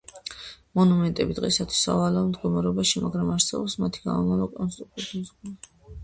მონუმენტები დღეისათვის სავალალო მდგომარეობაშია, მაგრამ არსებობს მათი სამომავლო რეკონსტრუქციის გეგმა.